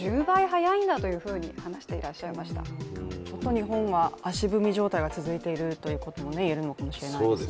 日本は足踏み状態が続いているということが言えるのかもしれないですね。